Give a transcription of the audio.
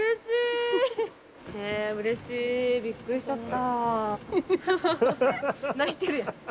えうれしい。びっくりしちゃった。